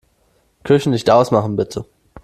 Küchenlicht ausmachen, bitte.